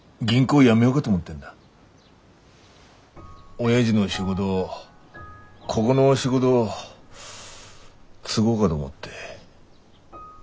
おやじの仕事こごの仕事継ごうがと思って。